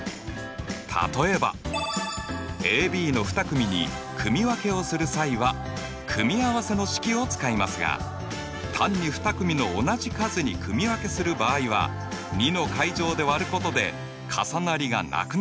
例えばＡＢの２組に組分けをする際は組合せの式を使いますが単に２組の同じ数に組分けする場合は２の階乗で割ることで重なりがなくなります。